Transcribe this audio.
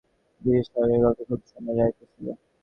গিরিশ সরকারের গলাটা খুব শোনা যাইতেছিল।